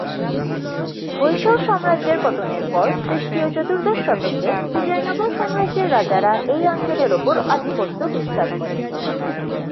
হৈসল সাম্রাজ্যের পতনের পর খ্রিস্টীয় চতুর্দশ শতকে বিজয়নগর সাম্রাজ্যের রাজারা এই অঞ্চলের উপর আধিপত্য বিস্তার করে।